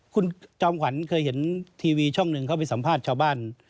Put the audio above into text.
คุณจอมขวัญเคยเห็นทีวีช่องหนึ่งเขาไปสัมภาษณ์ชาวบ้าน